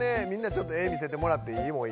みんなちょっと絵見せてもらっていい？